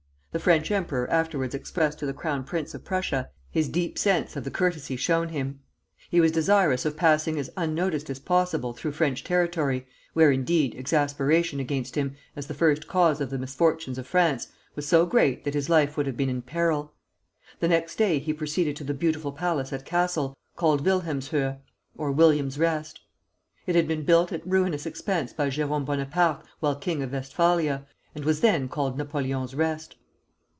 The French emperor afterwards expressed to the Crown Prince of Prussia his deep sense of the courtesy shown him. He was desirous of passing as unnoticed as possible through French territory, where, indeed, exasperation against him, as the first cause of the misfortunes of France, was so great that his life would have been in peril. The next day he proceeded to the beautiful palace at Cassel called Wilhelmshöhe, or William's Rest. It had been built at ruinous expense by Jérôme Bonaparte while king of Westphalia, and was then called Napoleon's Rest.